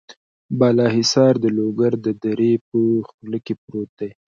بالا حصار د لوګر د درې په خوله کې پروت دی.